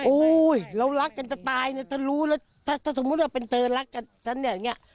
เรารักกันจะตายเนี่ยถ้ารู้แล้วถ้าสมมุติว่าเป็นเธอรักกันอย่างนี้